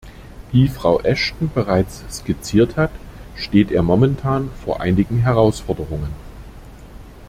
Wie Frau Ashton bereits skizziert hat, steht er momentan vor einigen Herausforderungen.